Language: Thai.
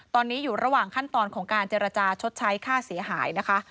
ตอนนี้อยู่ระหว่างขั้นตอนของการเจรจาชดใช้ค่าเสียหายนะคะ